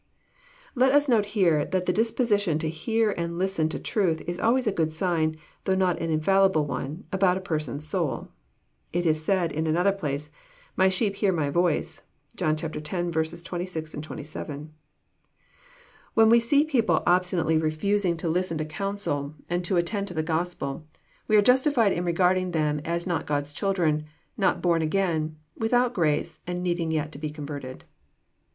Let us note here that the disposition to hear and listen to truth is always a good sign, though not an infallible one, about a person's soul. It is said, in another place, *' My sheep hear my voice." (John x. 26, 27.) When we see people obstinately refusing to listen to counsel, and to attend to the Gospel, we are Justified in regarding them as not God's children, not bom again, without grace, and needing yet to be converted.